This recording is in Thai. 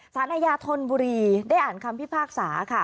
สารอาญาธนบุรีได้อ่านคำพิพากษาค่ะ